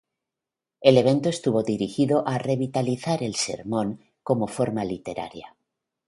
El evento estuvo dirigido a revitalizar el sermón como forma literaria.